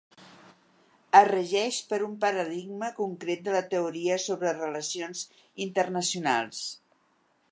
Es regeix per un paradigma concret de la teoria sobre relacions internacionals.